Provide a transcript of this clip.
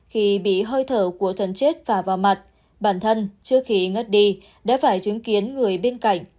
khi bị hơi thở của thần chết và vào mặt bản thân trước khi ngất đi đã phải chứng kiến người bên cạnh